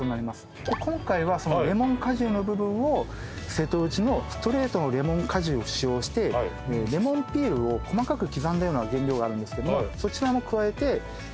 今回はそのレモン果汁の部分を瀬戸内のストレートのレモン果汁を使用してレモンピールを細かく刻んだような原料があるんですけどもそちらも加えて煮詰めて仕上げてます。